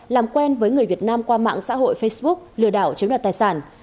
làm quen với người việt nam qua mạng xã hội facebook lừa đảo chiếm đoạt tài sản